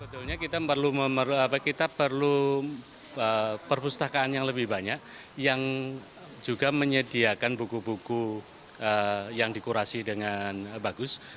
sebetulnya kita perlu perpustakaan yang lebih banyak yang juga menyediakan buku buku yang dikurasi dengan bagus